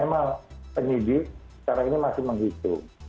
ya memang penyidik secara ini masih menghitung